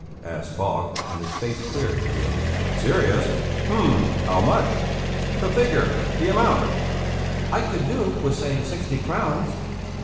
asked Falk, and his face cleared. "Serious? Hm! How much? The figure! The amount!" "I could do with, say, sixty crowns."